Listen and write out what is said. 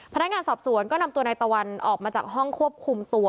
พนักงานสอบสวนก็นำตัวนายตะวันออกมาจากห้องควบคุมตัว